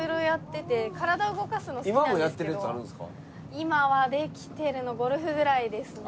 今はできてるのゴルフぐらいですね。